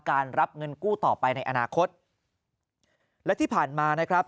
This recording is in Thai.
รับเงินกู้ต่อไปในอนาคตและที่ผ่านมานะครับ